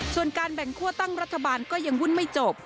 ส่วนการแบ่งคั่วตั้งรัฐบาลก็ยังวุ่นไม่จบ